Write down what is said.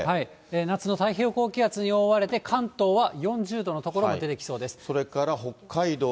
夏の太平洋高気圧に覆われて、関東は４０度の所も出てきそうです。